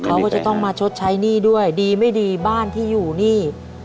เขาก็จะต้องมาชดใช้หนี้ด้วยดีไม่ดีบ้านที่อยู่นี่